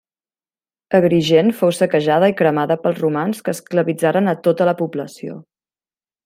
Agrigent fou saquejada i cremada pels romans, que esclavitzaren a tota la població.